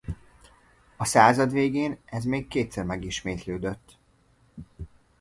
A század végén ez még kétszer megismétlődött.